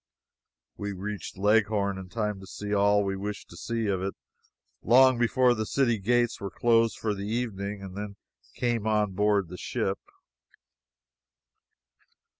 We reached Leghorn in time to see all we wished to see of it long before the city gates were closed for the evening, and then came on board the ship.